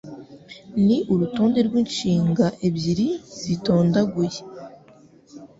Ni urutonde rwinshinga ebyiri zitondaguye